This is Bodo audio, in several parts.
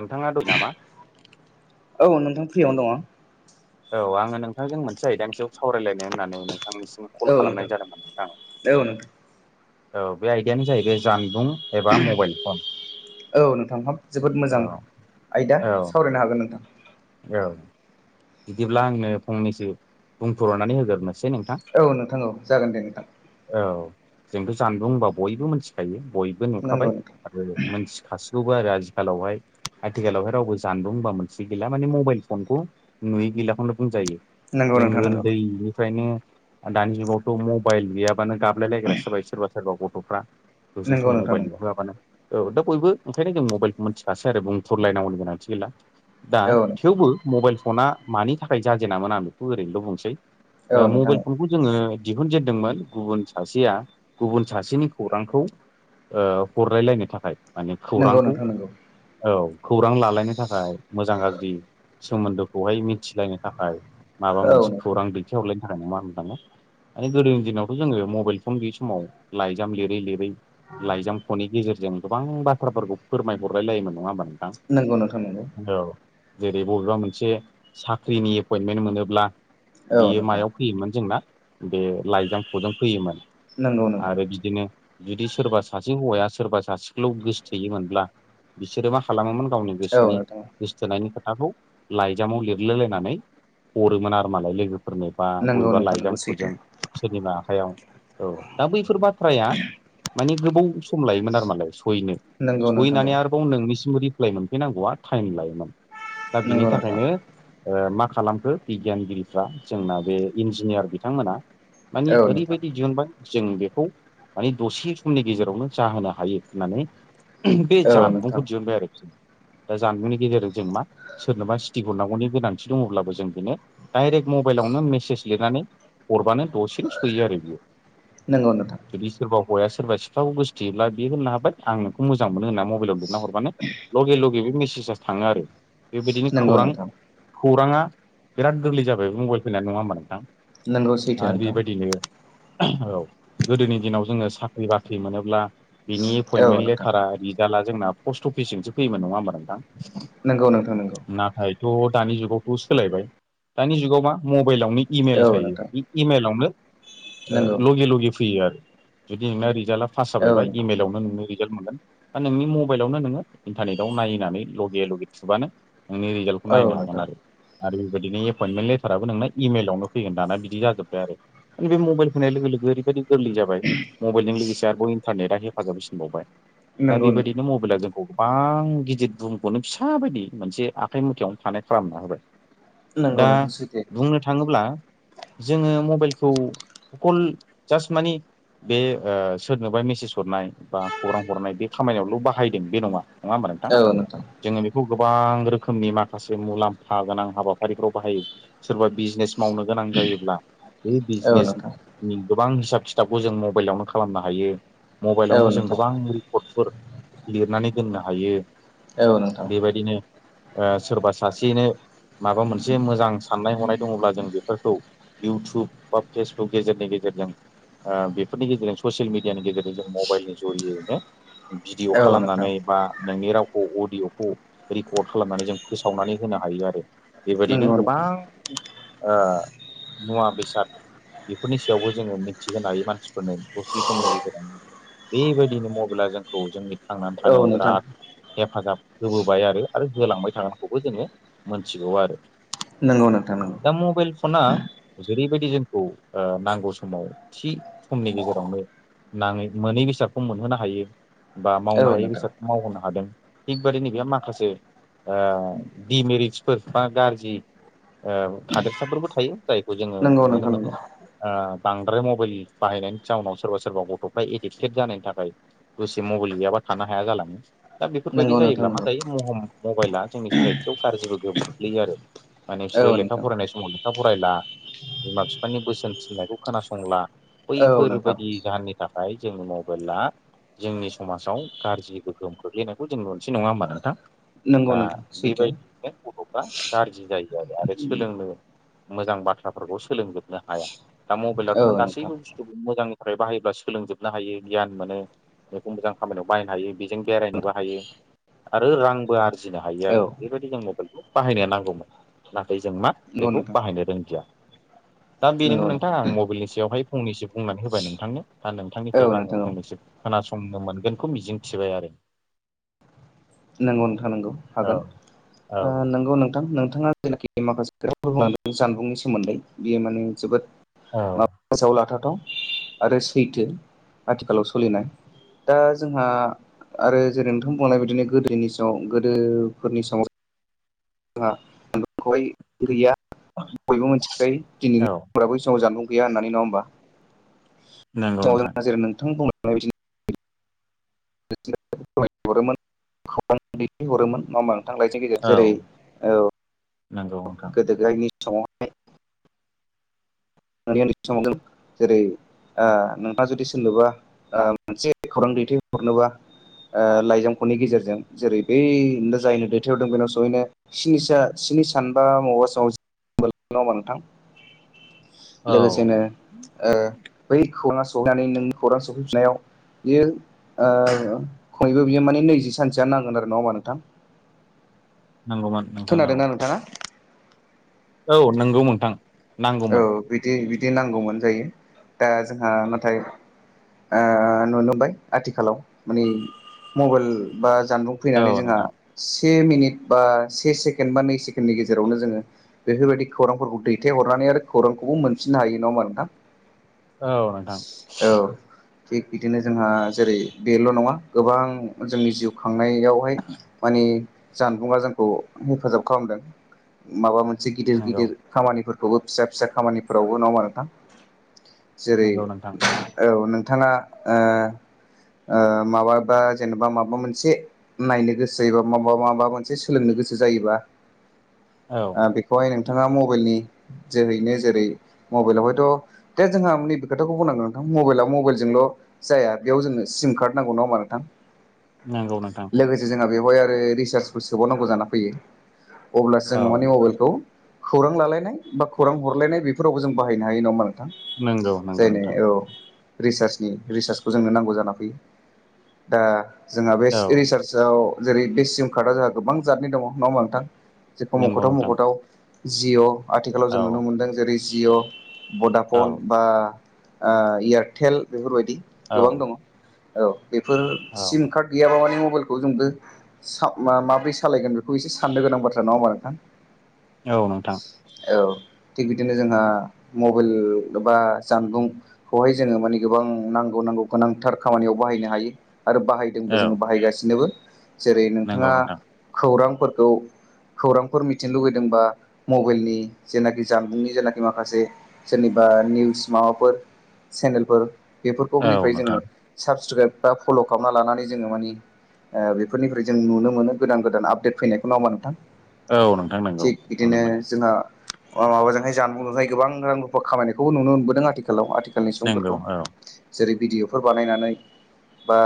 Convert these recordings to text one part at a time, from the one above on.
नोंथाङा दं नामा? औ नोंथां फ्रियावनो दङ। औ आङो नोंथांजों मोनसे आयदानिसेयाव सावरायलायनो होननानै नोंथांनिसिम औ कल नोंथां खालामनाय जादोंमोन नोंथां। औ नोंथां औ बे आयदायानो जाहैबाय जानबुं एबा मबाइल फन औ नोंथां हाब जोबोद औ मोजां आयदा औ सावरायनो हागोन नोंथां। औ बिदिब्ला आंनो फंनैसो बुंफुरनानै होग्रोनोसै नोंथां। औ नोंथां औ जागोन दे नोंथां औ जोंथ' जानबुं होनबा बयबो मिथिखायो बयबो नंगौ नुखाबाय। नोंथां मोनथिखसिगौबो आरो आथिखालावहाय आथिखालावहाय रावबो जानबुं होनबा मोनथियै गैला माने मबाइल फनखौ नुयै गैलाखौनो बुंजायो। नंगौ नोंथां जोङो नंगौ उन्दैनिफ्रायनो दानि जुगावथ' मबाइल गैयाबानो गाबलायलायग्रासोय सोरबा सोरबा गथ'फ्रा दसे नंगौ सम नोंथां मबाइल नंगौ नुहोआबानो औ दा बयबो ओंखायनो जों मबाइलखौ मिथिखासै आरो बुंथ'लायनांगौनि गोनांथि गैला दा औ नोंथां थेवबो मबाइल फना मानि थाखाय जाजेनामोन आं बेखौ ओरैनोल' बुंसै औ नोंथां मबाइल फनखौ जोङो दिहुनजेनदोंमोन गुबुन सासेया गुबुन सासेनि खौरांखौ हरलायलायनो थाखाय माने नंगौ खौरांखौ नोंथां नंगौ औ खौरां लालायनो थाखाय मोजां गाज्रि सोमोन्दोखौहाय मिथिलायनो थाखाय माबा औ मोनसे नोंथां खौरां दै खावलायनो थाखाय नङा होनबा माने गोदोनि दिनावथ' जोङो मबाइल फन गैयै समाव लाइजाम लिरै लिरै लाइजाम‌ ख'नि गेजेरजों गोबां बाथ्राफोरखौ फोरमायहरलाय लायोमोन नङा होमबा नोंथां? नांगौ नोंथां नांगौ। औ जेरै बबेबा मोनसे साख्रिनि एपइन्टमेन्ट मोनोब्ला औ बियो नोंथां मायाव फैयोमोन जोंना बे लाइजामख'जों फैयोमोन नंगौ नोंथां आरो बिदिनो जुदि सोरबा सासे हौवाया सोरबा सासेखौल' गोसोथोयोमोनब्ला। बिसोरो मा खालामोमोन गावनि औ गोसोनि नोंथां गोसथोनायनि खोथाखौ लाइजामाव लिरलाय लायनानै हरोमोन आरोमालाय लोगोफोरनो बा नंगौ बबेबा नोंथां नंगौ सैथो लाइजामख'जों सोरनिबा आखायाव औ दा बैफोर बाथ्राया माने गोबाव सम लायोमोन आरो मालाय सहैनो नंगौ नोंथां औ सहैनानै आरोबाव नोंनिसिमबो रिप्लाय मोनफैनांगौआ टाइम लायोमोन दा बिनि नंगौ नोंथां थाखायनो मा खालामखो बिगियानगिरिफ्रा जोंना बे इन्जिनियार बिथांमोना माने औ नोंथां ओरैबायदि दिहुनबाय जों बेखौ माने दसे समनि गेजेरावनो जाहोनो हायो होननानै बे औ जानबुंखौ नोंथां दिहुनबाय आरो जों दा जानबुंनि गेजेरजों जों मा सोरनोबा सिटिक हरनांगौनि गोनांथि दङब्लाबो जों बेनो डाइरेक्ट मबाइलावनो मेसेज लिरनानै हरबानो दसेनो सहैयो आरो बियो नोंगौ नोंथां। जुदि सोरबा हौवाया सोरबा सिख्लाखौ गोसथोयोब्ला बे होननो हाबाय आं नोंखौ मोजां मोनो होनना मबाइलाव हरबानो लगे लगे बे मेसेजआ थाङो आरो बेबायदिनो नंगौ खौरां नोंथां खौराङा बिराद गोरलै जाबाय मबाइल फैना नङा होमबा नंगौ नोंथां सैथो आरो नोंथां बेबायदिनो औ गोदोनि दिनाव जोङो साख्रि-बाख्रि मोनोब्ला बिनि औ एपइन्टमेन्ट नोंथां लेटार रिजाल्टआ जोंना पस्ट अफिसजोंसो फैयोमोन नङा होमबा नोंथां? नंगौ नोंथां नंगौ नाथाय थ' दानि जुगावथ' सोलायबाय दानि जुगाव मा मबाइलावनो इमेल औ थायो। नोंथां इमाइलावनो नंगौ लगे लगे फैयो आरो। जुदि नोंना रिजाल्टआ पास औ जाबायबा नोंथां इमेलावनो नों मोनगोन बा नोंनि मबाइलावनो नोङो इन्टारनेट आव नाय नानै लगे लगे थुबानो नोंनि रिजाल्टखौ औ नायनो हागोन नोंथां आरो आरो बेबायदिनो एपइन्टमेन्ट लेटाराबो नोंना इमेलावनो फैगोन दाना बिदि जाजोब्बाय आरो बे मबाइल होनाय लोगो लोगो ओरैबायदि गोरलै जाबाय मबाइलजों लोगोसे आरोबाव इन्टारनेटआ हेफाजाब होसिनबावबाय दा नंगौ नोंथां बेबायदिनो मबेल मबाइला जोंखौ गोबां गिदिर बुहुमखौनो फिसा बायदि मोनसे आखाइ मुथायावनो थानाय खालामना होबाय। नंगौ दा नोंथां सैथो बुंनो थाङोब्ला जोङो मबाइलखौ अकल जास मानि बे ओ सोरनोबा मेसेज हरनाय बा खौरां हरनाय बे खामानियावल' बाहायदों बे नङा नङा होमबा नोंथां। जोङो बेखौ गोबां रोखोमनि माखासे मुलाम्फा गोनां हाबाफारिफ्राव बाहायो सोरबा बिजनेस मावनो गोनां जायोब्ला बे औ नोंथां बिजनेसनि गोबां हिसाब खिथाबखौ जों मबाइलावनो खालामनो हायो। औ मबाइलावनो जों नोंथां गोबां रेकर्डफोर लिरनानै दोननो हायो। औ नोंथां। बेबायदिनो ओ सोरबा सासेयनो माबा मोनसे मोजां साननाय हनाय दङब्ला जों बेफोरखौ इउटुब बा फेसबुक गेजेरनि गेजेरजों आ बेफोरनि गेजेरजों ससियेल मिडियानि गेजेरजों जों मबाइलनि जुरियैनो भिडिअ' औ नोंथां खालामनानै बा नोंनि राव खौ अडिय'खौ रेकर्ड खालामनानै जों फोसावनानै होनो हायो आरो। बेबायदिनो नंगौ गोबां नोंथां आ मुवा बेसाद बेफोरनि सायावबो जोङो मिथिहोनो हायो मानसिफोरनो दसे समनि गेजेरावनो बेबायदिनो मबाइला जोंखौ जोंनि थांनानै औ थानायाव नोंथां बिराद हेफाजाब होबोबाय आरो। आरो होलांबाय थागोनखौबो जोङो मोनथिबौ आरो। नंगौ नोंथां नोंगौ। दा मबाइल फना जेरैबायदि जोंखौ ओ नांगौ समाव थि समनि गेजेरावनो नाङै मोनै बेसादखौ मोनहोनो हायो बा मावनो औ हायै नोंथां बेसादखौ मावहोनो हादों थिग बेबादि नैबहा माखासे दिडमेरिट्सफोर बा गाज्रि ओ थादेरसाफोरबो थायो जायखौ जोङो नंगौ नोंथां नुनो मोनो। नंगौ आ बांद्राय मबाइल बाहायनायनि जाउनाव सोरबा सोरबा गथ'फ्रा एडिक्टेड जानायनि थाखाय दसे मबाइल गैयाबा थानो हाया जालाङो। दा बेफोरबायदि नंगौ नोंथां जायोब्ला मा नंगौ जायो म' मबाइला जोंनि सिनायथियाव गाज्रिबो गोग्लैयो आरो। माने बिसोरो औ लेखा नोंथां फरायनाय समाव लेखा फरायला बिमा बिफानि बोसोन थिननायखौ खोनासंला औ नोंथां बैफोरबायदि जाहोननि थाखाय जोंनि मबाइला जोंनि समाजाव गाज्रि गोहोम खोलैनायखौ जों मोनसे नङा होमबा नोंथां नंगौ दा नोंथां सैथो बेबायदियैनो गथ' बा गाज्रि जायो आरो। आरो सोलोंनो मोजां बाथ्राफोरखौ सोलोंजोबनो हाया। दा मबेलाथ' नों औ नोंथां गसिबो बुस [unintelligible] मोजांनि थाखाय बाहायोब्ला सोलोंजोबनो हायो गियान मोनो मैखौ मोजां खामानियाव बाहायनो हायो बेजों बेरायनोबो हायो। आरो रांबो आरजिनो हायो औ आरो बेबायदि जों मबाइलखौ बाहायनो नांगौमोन। नाथाय जों मा नंगौ बेखौ नोंथां बाहायनो रोंदिया। दा बेनोमोन नोंथां आं मबाइलनि सायावहाय फंनसो बुंनानै होबाय नोंथांनो दा नोंथांनि औ फ्रायबो आङो नोंथां औ फंनैसो खोनासंनो मोनगोनखौ मिजिं थिबाय आरो। नंगौ नोंथां नोंगौ औ हागोन ओ औ नोंगौ नोंथां नोंथाङा जेनाखि माखासे खोथाफोर बुं जानबुंनि सोमोन्दै बियो माने जोबोद औ। माबा गोसोआव लाथाथाव आरो सैथो आथिखालाव सोलिनाय। दा जोंहा आरो जेरै नोंथां बुंनाय बिदिनो गोदोनि समाव गोदोफोरनि समाव जोंहा [unintelligible] खौहाय गैया बयबो मिथिखायो दिनैनि औ ब्ला बै समाव जानबुं गैया होन्नानै नङा होनबा? नंगौ सिगाङाव नोंथां जोहा जेरै नोंथां बुं बादि बि [unintelligible] हरोमोन दै हरोमोन नङा मा थांलाइन [unintelligible] गेजेर औ जेरै नंगौ ओ नोंथां गोदयनि समाव [unintelligible] जेरै नोंथाङा जुदि सोरनोबा मोनसे खौरां दैथायहरनोबा लाइजामखौनि गेजेरजों जेरै बैनो जायनो दैथायहरदों बेनाव सयैनो नि स्नि सानबा मबा समाव ा नोंथां औ लोगोसेनो बै खौरां सहैनानै नों खौरां सहैफिननायाव बियो ओ खमैबो बियो माने नैजि सानसेआ नांगोन आरो नङा होमबा नोंथां। नंगौमोन नोंथां औ। खोनादोंना नोंथाङा औ नोंगौ नोंथां। औ नांगौमोन बिदि बिदि नांगौमोन जायो दा जोंहा नाथाय आ नुनो मोनबाय आथिखालाव माने मबाइल बा जानबुं फैनानै औ जोंहा नोंथां से मिनिट बा से सेकेण्ड बा नै सेकेण्डनि गेजेरावनो जोङो बेफोरबायदि खौरांफोरखौ दैथायहरनानै आरो खौरांखौबो मोनफिनो हायो नङामा नोंथां औ नोंथां औ थिग बिदिनो जोंहा जेरै बेल' नङा गोबां जोंनि जिउ खांनायावहाय मानिे जानबुंा जोंखौ हेफाजाब खालामदों माबा मोनसे गिदिर नंगौ गिदिर खामानिफोरखौबो फिसा फिसा खामानिफोरावबो नङा नोंथां जेरै नंगौ नोंथां औ नोंथाङा माबाबा जेनेबा माबा मोनसे नायनो गोसो एबा मबा माबा मोनसे सोलोंनो गोसो जायोबा औ बेखौहाय नोंथाङा मबाइलनि जोहैनो जेरै मबाइलाव हायथ' जोंहा नैबे खोथाखौ बुंनांगोन नोंथां मबाइला मबाइलजोंल' जाया बेयाव जोङनो सिम कार्ड नांगौ नाामा नोंथां नंगौ नोंथां लोगोसे जोंहा बेवहाय आरो रिसार्जखौ सोबावनांगौ जाना फैयो अब्लासो औ जोो माने मबाइलखौ खौरां लालायनाय बा खौरां हरलायनाय बेफोरावबो जों बाहायनो हायो नङामा नोंथां नोंगौ जायनो औ रिसार्चनि रिसार्चखौ जोंनो नांगौ जाना फैयो दा जोंहा बे औ रिसार्जआव जेरै बे सिम कार्डआव जोंहा गोबां जादनि दङ न' बांथां जेखौ नंगौ मखथाव नोंथां मखथाव जिअ' आथिखालाव औ जों नुनो मोनदों जेरै जिअ' औ भडाफन बा एयारटेल बेफोरबायदि औ गोबां दङ औ बेफोर औ सिम कार्ड गैयाबा माने मबाइलखौ जोंबो स मा माबोरै सालायगोन बेखौ एसे साननो गोनां बाथ्रा नङा होमा नोंथां औ नोंथां औ थिग बिदिनो जोंहा मबाइल जेनबा जानदुं खौहाय जोङो माने गोबां नांगौ नांगौ गोनांथार खामानियाव बाहायनो हायो आरो बाहाय जोंबो औ जोङो बाहायगासिनोबो जेरै नंगौ नोंथाङा नोंथां खौरांफोरखौ खौरांफोर मिथिनो लुुबैदोंबा मबाइलनि जेनाखि जानबुंनि जेनाखि माखासे सोरनि बा निउस माबाफोर चेनेलफोर औ बेफोरखौनिफ्राय नोंथां जोङो साबसक्राइब बा फल' खालामना लानानै जोङो मानिे बेफोरनिफ्राय जों नुनो मोनो गोदान गोदान आपडेट फैनायखौ नामा नोंथां औ नोंथां नंगौ थिग नुनो बिदिनो मोनो जोंहा माबाजोंहाय जानबुंजोंहाय गोां रुफ खामानिनायखौ नुनो मोनदों आथिखालाव आखाल आखेलनि नंगौ सुबुंफोरखौ औ जेरै भिडिअफोर बानायनानै बा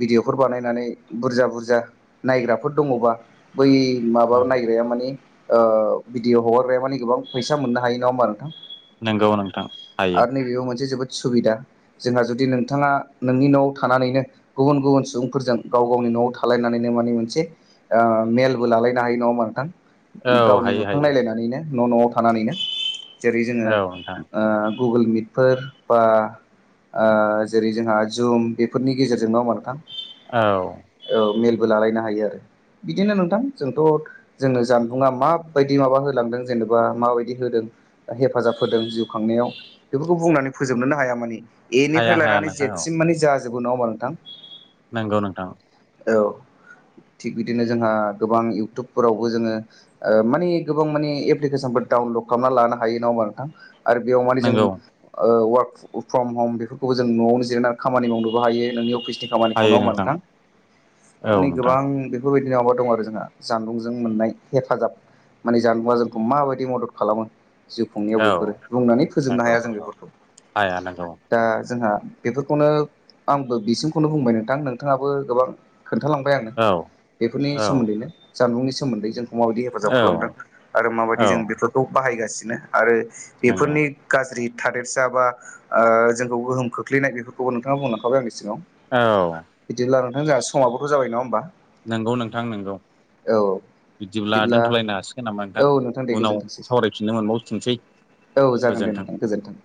भिडिअ'फोर बानायनानै बुरजा बुरजा नायग्राफोर दङबा बै औ माबा नायग्राया मानिे भिडिअ हगारगाया माने गोबां फैसा मोननो हायो नङा होमबा नोंथां नंगौ नोंथां हायो आरो नैबेबो मोनसे जोबोद सुबिदा जोंहा जुदि नोंथाङा नोंनि न'आव थानानैनो गुबुन गुबुन सुबुंफोरजों गाव गावनि न'आव थालायनानैनो माने मोनसे मेलबो लालायनो हायो नङाोमा नोंथां औ गावनि हायो मोफां हायो नायलायनानैनो न' न'आव थानानैनो जेरै जोङो औ नोंथां ओ गुगोल मिटफोर बा ओ जेरै जोंहा जुम बेफोरनि गेजेरजों। नङा होमबा नोंथां? औ औ मेलबो लालायनो हायो आरो बिदिनो नोंथां जोंथ' जोंनो जानबुंा माबायदि माबा होलांदों जेनेबा माबायदि होदों हेफाजाब जिउ खांनायाव बेफोरखौ बुंनानै फोजोबनोन हाया मान हाया एनिफ्राय हाया लनानै नोंथां औ जेसिम म जेबो नङबा नोंथां नंगौ नोंथांा औ थिग बिदिनो जोंहा गोबां इउटुबफोरावबो जोङो ओ माने गोबां माने एप्लिकेसनफोर डाउनलड खालामना लानो हायो। नङा होमबा नोंथां? आरो बेयाव माने जों नंगौ ओ वार्क फ्रम हम बेफोरखौबो जों न'आवनो जिरायनानै खामानि मावनोबो हायो नोंनि अफिसनि खामानिखौ नङा होमबा नोंथां? औ माने नोंथां गोबां बेफोरबायदिनो माबा दं आरो जोंहा जानबुंजों मोननाय हेफाजाब। माने जानबुंआ जोंखौ माबायदि मदद खालामो जिउ खुंनायाव औ बे फोर बुंनानै फोजोबनो नंगौ हाया जों बेफोरखौ। हाया नंगौ दा जोंहा बेफोरखौनो आंबो बिसिमखौनो बुंबाय नोंथां। नोंथाङाबो गोबां खोन्थालांबाय आंनो औ बेफोरनि औ सोमोन्दैनो जानबुंनि सोमोन्दै जों माबायदि हेफाजाब औ खालामदों आरो माबायदि औ जों बेफोरखौ बाहायगासिनो आरो नंगौ बेफोरनि गाज्रि थादेरसा बा ओ जोंखौ गोहोम खोख्लैनाय बेफोरखौबो नोंथाङा बुंलांखाबाय आंनि सिगाव। औ बिदिब्ला नोंथां जोंहा स समावाबो' जाबाय नङा होमबा? नोंगौ नोंथां नोंगौ। औ बिदिब्ला दोनथ'लायनो हासिगोन नामा नोंथां औ दे उनाव गोजोनथोंसै सावरायफिननो मोनबाव थोंनसै। औ जागोन दे नोंथां गोजोन्थों।